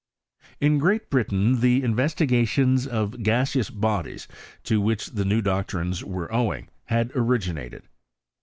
In Great Britain the investigation of gaseous bodies, to which the new doctrines were owing, had originated.